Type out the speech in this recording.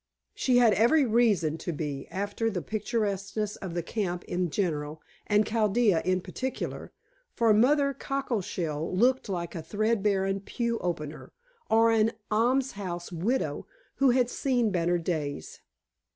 She had every reason to be after the picturesqueness of the camp in general, and Chaldea in particular, for Mother Cockleshell looked like a threadbare pew opener, or an almshouse widow who had seen better days.